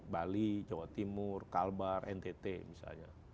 bali jawa timur kalbar ntt misalnya